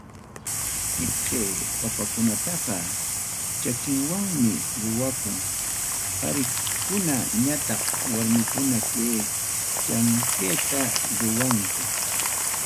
Tipqay papakunataqa, chakiwanmi ruwakun, qarikuna ñataq warmikuna kay llamkayta ruwanku.